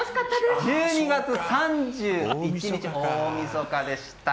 １２月３１日大みそかでした。